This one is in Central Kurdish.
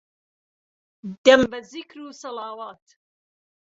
دەم به زیکر وسڵاوات